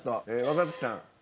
若槻さん。